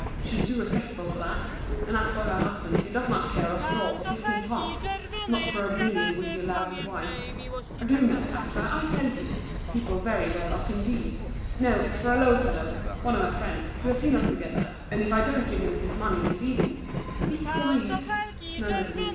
She is too respectable for that. And as for her husband, he does not care a straw for fifteen francs. Not for a million would he allow his wife. A glue manufacturer, I tell you. People very well off indeed. No, it's for a low fellow, one of her friends, who has seen us together; and if I don't give him this money this evening—" "Be quiet," murmured Denise.